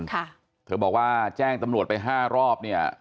ค่ะเธอบอกว่าแจ้งตำรวจไปห้ารอบเนี่ย